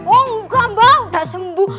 oh enggak mbak udah sembuh